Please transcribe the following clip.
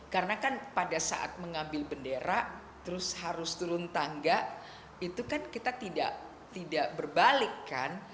karena kan pada saat mengambil bendera terus harus turun tangga itu kan kita tidak berbalik kan